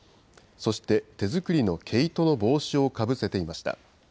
そして、手作りの毛糸の帽子をかぶせていました。